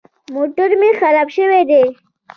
موټر مې خراب شوی دی.